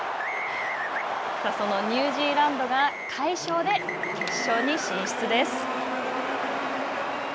そのニュージーランドが快勝で決勝に進出です。